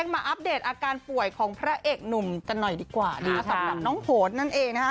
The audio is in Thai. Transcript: มาอัปเดตอาการป่วยของพระเอกหนุ่มกันหน่อยดีกว่าสำหรับน้องโหดนั่นเองนะฮะ